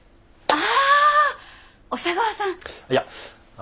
あ。